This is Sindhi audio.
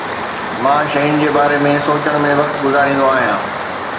مان شين جي باري ۾ سوچڻ ۾ وقت گذاريندو آهيان